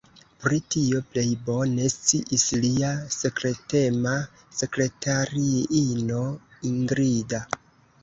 Pri tio plej bone sciis lia sekretema sekretariino Ingrida.